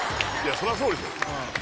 そりゃそうっすね